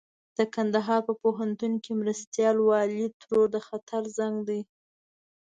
د کندهار په پوهنتون کې د مرستيال والي ترور د خطر زنګ دی.